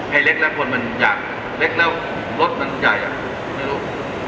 เล็กแล้วคนมันอยากเล็กแล้วรถมันใหญ่อ่ะไม่รู้